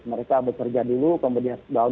mereka bekerja dulu kemudian